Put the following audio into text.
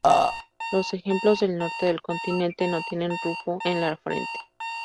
Los ejemplares del norte del continente no tienen rufo en la frente.